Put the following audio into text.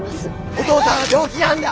お父さんは病気なんだ！